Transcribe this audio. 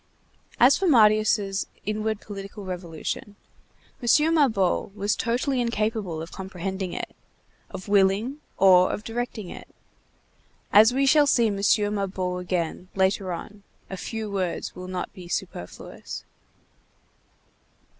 As for Marius' inward political revolution, M. Mabeuf was totally incapable of comprehending it, of willing or of directing it. As we shall see M. Mabeuf again, later on, a few words will not be superfluous.